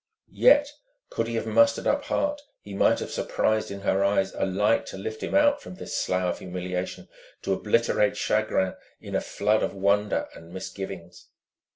Yet, could he have mustered up heart, he might have surprised in her eyes a light to lift him out from this slough of humiliation, to obliterate chagrin in a flood of wonder and misgivings.